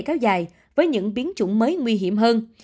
kéo dài với những biến chủng mới nguy hiểm hơn